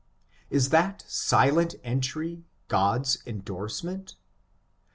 Is that silent entry God's indorsement?